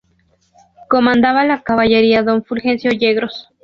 Comandaba la caballería don Fulgencio Yegros.